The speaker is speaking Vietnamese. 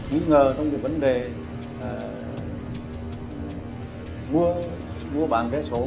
nghi ngờ trong vấn đề mua bán vé số